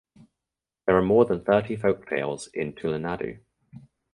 There are more than thirty folktales in Tulunadu.